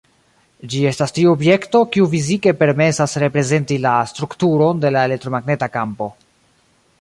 Ĝi estas tiu objekto, kiu fizike permesas reprezenti la strukturon de la elektromagneta kampo.